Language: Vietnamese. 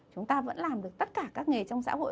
chúng ta vẫn làm được tất cả các nghề trong xã hội